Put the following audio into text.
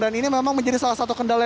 dan ini memang menjadi salah satu kendala